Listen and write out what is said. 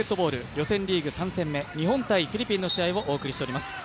予選リーグ３戦目、日本×フィリピンの試合をお送りしています。